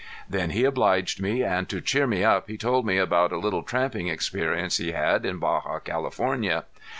Then he obliged me, and to cheer me up he told me about a little tramping experience he had in Baja California.